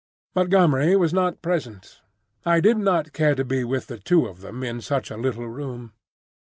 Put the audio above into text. Montgomery was not present. I did not care to be with the two of them in such a little room.